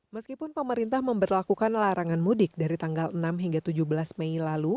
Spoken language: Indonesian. meskipun pemerintah memperlakukan larangan mudik dari tanggal enam hingga tujuh belas mei lalu